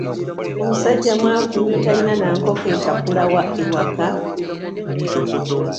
Omusajja mwavu nnyo talina na nkoko etakula e waka.